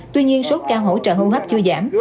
tuy nhiên số ca hỗ trợ hô hấp chưa giảm